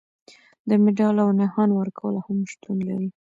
د مډال او نښان ورکول هم شتون لري.